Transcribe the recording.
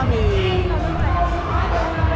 พี่ดอยครับ